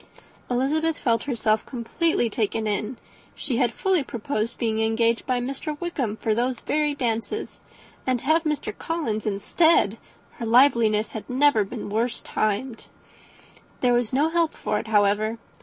Elizabeth felt herself completely taken in. She had fully proposed being engaged by Wickham for those very dances; and to have Mr. Collins instead! her liveliness had been never worse timed. There was no help for it, however.